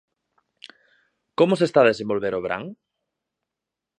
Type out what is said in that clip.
Como se está a desenvolver o verán?